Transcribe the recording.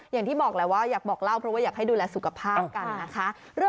อย่างที่บอกแล้วว่าอยากบอกเล่าเพราะว่าอยากให้ดูแลสุขภาพกันนะคะ